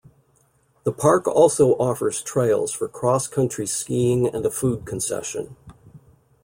The park also offers trails for cross-country skiing and a food concession.